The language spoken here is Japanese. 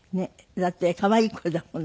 だって可愛い声だもんね。